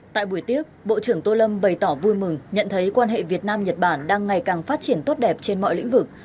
tại buổi tiếp bộ trưởng tô lâm bày tỏ vui mừng nhận thấy quan hệ việt nam nhật bản đang ngày càng phát triển tốt đẹp trên mọi lĩnh vực